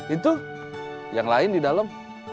itu yang lain di dalam